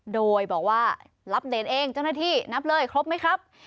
โดยบอกว่ารับเดรเองเจ้าหน้าที่นับเลยครบไหมครับ